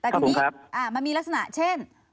ขอบคุณครับแต่ทีนี้มันมีลักษณะเช่น